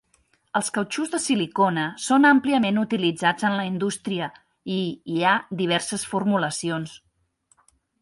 Els cautxús de silicona són àmpliament utilitzats en la indústria, i hi ha diverses formulacions.